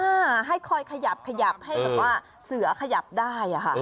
อ้าวให้คอยขยับให้แบบว่าเสือขยับได้ค่ะ